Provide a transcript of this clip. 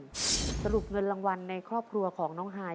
สรุปเงินรางวัลในครอบครัวของน้องฮาย